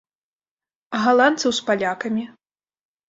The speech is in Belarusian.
А галандцаў з палякамі?